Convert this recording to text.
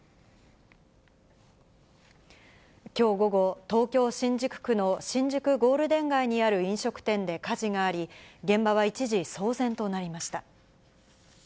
きょう午後、東京・新宿区の新宿ゴールデン街にある飲食店で火事があり、現場は一時騒然となりました。